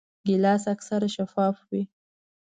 ګیلاس اکثره شفاف وي.